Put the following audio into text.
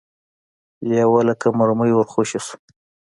لېوه لکه مرمۍ ور خوشې شو.